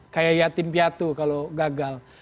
kayak yatim piatu kalau gagal